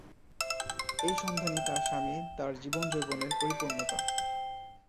এই সন্ধানই তার স্বামী, তার জীবনযৌবনের পরিপূর্ণতা।